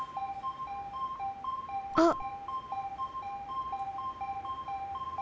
あっ！